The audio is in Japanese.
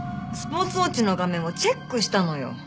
スポーツウォッチの画面をチェックしたのよ。